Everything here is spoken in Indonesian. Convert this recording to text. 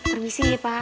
permisi ya pak